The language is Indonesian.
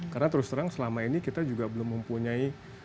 karena terus terang selama ini kita juga belum mempunyai